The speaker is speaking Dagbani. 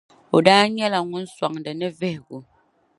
O daa nyɛla ŋun soŋdi ni vihigu .